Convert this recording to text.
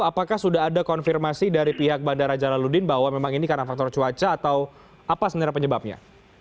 apakah sudah ada konfirmasi dari pihak bandara jalaludin bahwa memang ini karena faktor cuaca atau apa sebenarnya penyebabnya